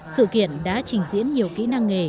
sự kiện đã trình diễn nhiều kỹ năng nghề